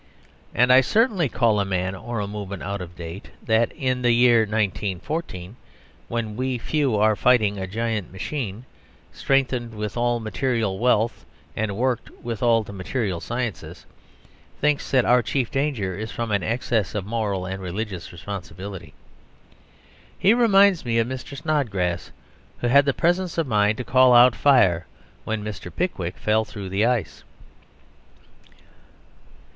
And I certainly call a man or a movement out of date that, in the year 1914, when we few are fighting a giant machine, strengthened with all material wealth and worked with all the material sciences, thinks that our chief danger is from an excess of moral and religious responsibility. He reminds me of Mr. Snodgrass, who had the presence of mind to call out "Fire!" when Mr. Pickwick fell through the ice.